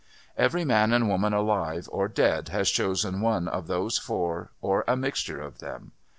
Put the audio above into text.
Every man and woman alive or dead has chosen one of those four or a mixture of them.